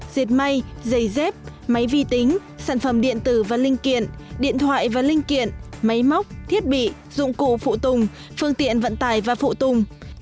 diệt may giày dép máy vi tính sản phẩm điện tử và linh kiện điện thoại và linh kiện máy móc thiết bị dụng cụ phụ tùng phương tiện vận tải và phụ tùng